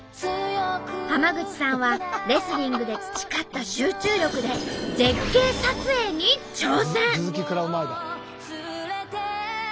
浜口さんはレスリングで培った集中力で絶景撮影に挑戦。